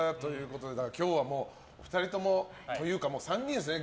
今日は、２人ともというか３人ですね。